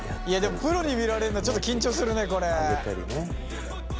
いやでもプロに見られるのちょっと緊張するねこれ。